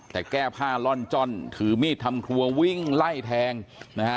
แต่แก้ผ้าล่อนจ้อนถือมีดทำครัววิ่งไล่แทงนะฮะ